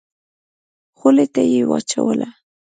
خولې ته يې واچوله.